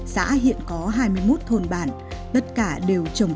xã hiện có hai mươi một thôn bản tất cả đều trồng